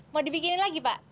mau dibikinin lagi pak